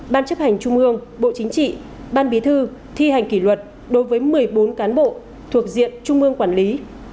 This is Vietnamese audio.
ban chấp hành trung ương bộ chính trị ban bí thư thi hành kỷ luật đối với một mươi bốn cán bộ thuộc diện trung ương quản lý